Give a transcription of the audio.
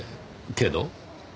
けど？